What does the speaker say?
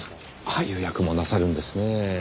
ああいう役もなさるんですねぇ。